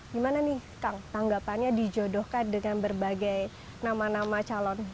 gimana nih kang tanggapannya dijodohkan dengan berbagai nama nama calon